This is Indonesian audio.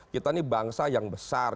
kita ini bangsa yang besar